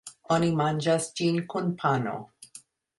Oni manĝas ĝin kun pano.